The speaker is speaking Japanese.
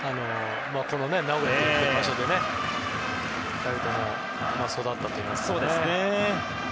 名古屋という場所でね２人とも育ったといいますか。